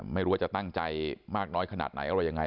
ไม่รู้ว่าจะตั้งใจมากน้อยขนาดไหนอะไรยังไง